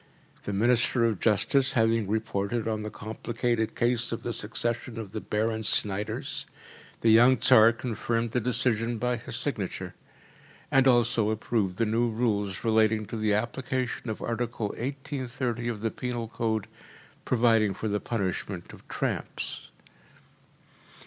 The Minister of justice having reported on the complicated case of the succession of the Baron Snyders, the young Tsar confirmed the decision by his signature; and also approved the new rules relating to the application of Article 1830 of the penal code, providing for the punishment of tramps.